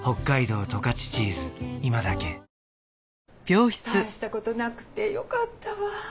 大した事なくてよかったわ。